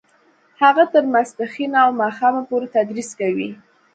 هغه تر ماسپښینه او ماښامه پورې تدریس کوي